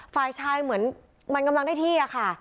ฝ่ายชายเหมือนมันกำลังได้ที่อะค่ะ